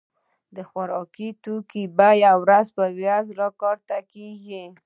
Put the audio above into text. د خوراکي توکو بيي ورځ په ورځ را کښته کيږي.